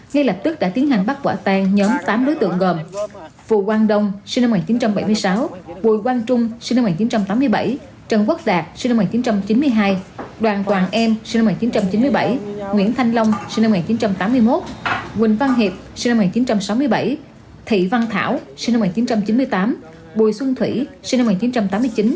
ngay lập tức đã tiến hành bắt quả tan nhóm tám đối tượng gồm phù quang đông sinh năm một nghìn chín trăm bảy mươi sáu bùi quang trung sinh năm một nghìn chín trăm tám mươi bảy trần quốc đạt sinh năm một nghìn chín trăm chín mươi hai đoàn toàn em sinh năm một nghìn chín trăm chín mươi bảy nguyễn thanh long sinh năm một nghìn chín trăm tám mươi một quỳnh văn hiệp sinh năm một nghìn chín trăm sáu mươi bảy thị văn thảo sinh năm một nghìn chín trăm chín mươi tám bùi xuân thủy sinh năm một nghìn chín trăm tám mươi chín